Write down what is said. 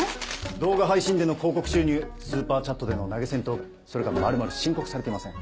動画配信での広告収入スーパーチャットでの投げ銭とそれが丸々申告されていません。